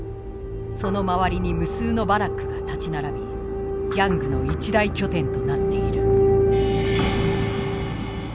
その周りに無数のバラックが建ち並びギャングの一大拠点となっている。